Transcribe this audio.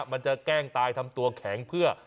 แกล้งตายทำตัวแข็งเพื่อ